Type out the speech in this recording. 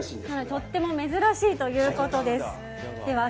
とっても珍しいということです。